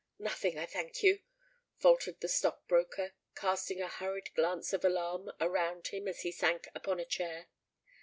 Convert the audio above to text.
"Nothing, I thank you," faltered the stock broker, casting a hurried glance of alarm around him as he sank upon a chair.